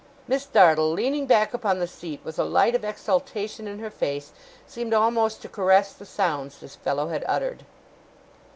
Miss Dartle, leaning back upon the seat, with a light of exultation in her face, seemed almost to caress the sounds this fellow had uttered.